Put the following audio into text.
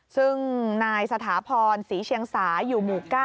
ซึ่งนายสถาพรศรีเชียงสาอยู่หมู่๙